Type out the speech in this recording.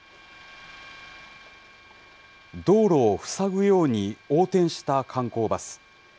道路を塞ぐように横転した観光バス。